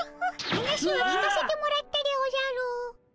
話は聞かせてもらったでおじゃる。